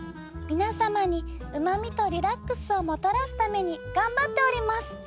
皆様にうまみとリラックスをもたらすために頑張っております。